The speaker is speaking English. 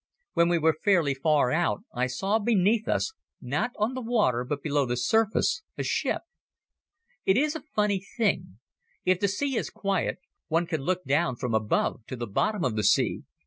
When we were fairly far out I saw beneath us, not on the water but below the surface, a ship. It is a funny thing. If the sea is quiet, one can look down from above to the bottom of the sea.